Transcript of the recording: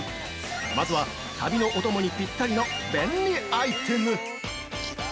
まずは、旅のお供にぴったりの便利アイテム！